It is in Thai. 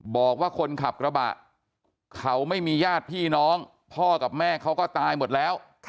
บอกว่าคนขับกระบะเขาไม่มีญาติพี่น้องพ่อกับแม่เขาก็ตายหมดแล้ว